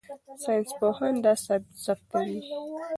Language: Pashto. ساینسپوهان دا ثبتوي.